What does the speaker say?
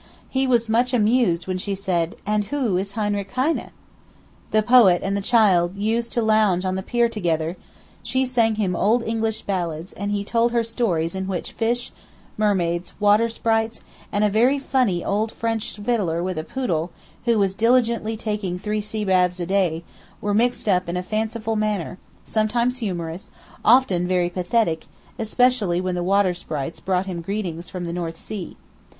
He was much amused when she said: 'And who is Heinrich Heine?' The poet and the child used to lounge on the pier together; she sang him old English ballads, and he told her stories in which fish, mermaids, water sprites, and a very funny old French fiddler with a poodle, who was diligently taking three sea baths a day, were mixed up in a fanciful manner, sometimes humorous, often very pathetic, especially when the water sprites brought him greetings from the North Sea.